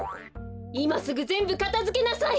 いますぐぜんぶかたづけなさい！